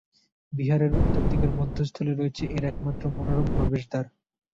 বিহারের উত্তর দিকের মধ্যস্থলে রয়েছে এর একমাত্র মনোরম প্রবেশদ্বার।